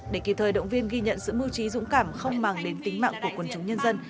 để kịp thời động viên ghi nhận sự mưu trí dũng cảm không màng đến tính mạng của quần chúng nhân dân